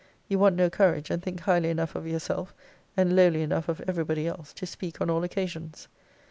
You want no courage, and think highly enough of yourself, and lowly enough of every body else, to speak on all occasions.